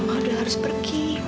mama udah harus pergi